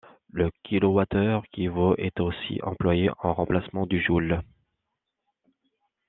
Le kilowatt-heure qui vaut est aussi employé en remplacement du joule.